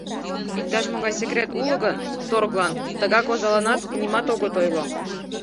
Иктаж-могай секрет уло гын, торглан, тыгак озаланат, нимат огыт ойло.